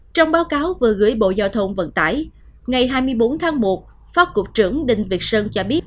trong báo cáo vừa gửi bộ giao thông vận tải ngày hai mươi bốn tháng một phó cục trưởng đinh việt sơn cho biết